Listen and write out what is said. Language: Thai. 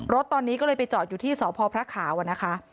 รถตอนนี้ก็เลยไปจอดอยู่ที่สพพระขาวนะคะ